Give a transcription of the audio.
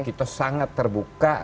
itu sangat terbuka